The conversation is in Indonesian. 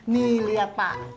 nih lihat pak